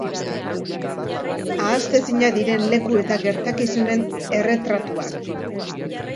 Ahaztezinak diren leku eta gertakizunen erretratuak.